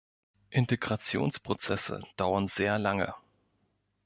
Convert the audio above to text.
Integrationsprozesse dauern sehr lange.